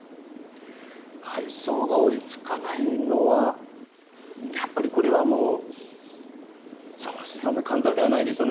配送が追いつかないのはやっぱりこれはあまり簡単ではないでしょうね。